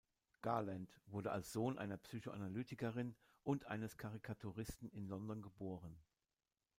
Garland wurde als Sohn einer Psychoanalytikerin und eines Karikaturisten in London geboren.